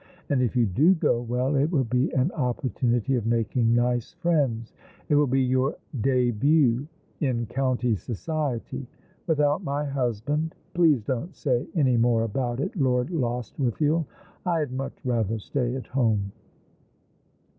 And if you do go — well, it will be an opportunity of making nice friends. It will be your dehut in county society." " Without my husband ? Please don't say any more about it, Lord Lostwithiel. I had much rather stay at home."